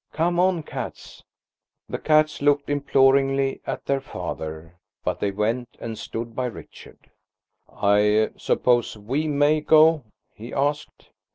Come on, cats." The cats looked imploringly at their father, but they went and stood by Richard. "I suppose we may go?" he asked.